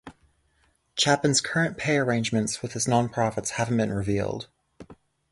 Chapin's current pay arrangements with his nonprofits haven't been revealed.